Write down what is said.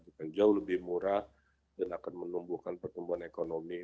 akan jauh lebih murah dan akan menumbuhkan pertumbuhan ekonomi